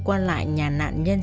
qua lại nhà nạn nhân